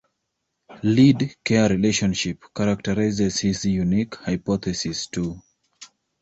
"Lead - care relationship" characterizes his unique hypothesis, too.